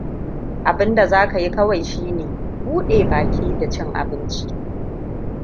Abun da zaka yi kawai shine bude baƙi da ci abinci.